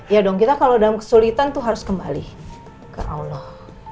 ya dong kita kalau dalam kesulitan tuh harus kembali ke allah